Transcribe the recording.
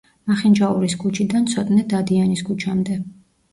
მახინჯაურის ქუჩიდან ცოტნე დადიანის ქუჩამდე.